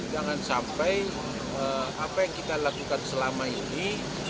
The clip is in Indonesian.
jangan sampai apa yang kita lakukan selama ini